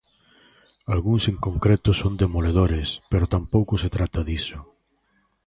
Algúns en concreto son demoledores, pero tampouco se trata diso.